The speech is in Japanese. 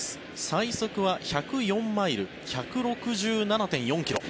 最速は１０４マイル１６７．４ｋｍ。